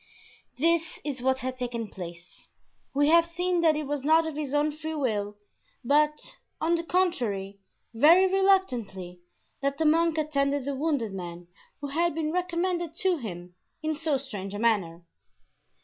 This is what had taken place: We have seen that it was not of his own free will, but, on the contrary, very reluctantly, that the monk attended the wounded man who had been recommended to him in so strange a manner.